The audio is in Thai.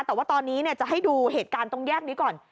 แต่ว่าตอนนี้จะให้ดูเหตุการณ์ตรงแยกนี้ก่อน